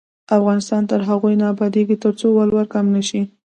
افغانستان تر هغو نه ابادیږي، ترڅو ولور کم نشي.